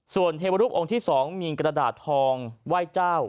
ส่วนเทวรูปองค์ที่๒มีกระดาษทองไหว้เจ้า